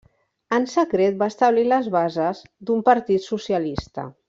En secret va establir les bases d'un partit socialista.